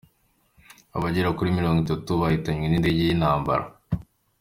Abagera kuri Mirongo Itatu bahitanywe n’indege y’intambara